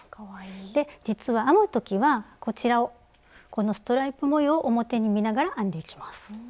で実は編む時はこちらをこのストライプ模様を表に見ながら編んでいきます。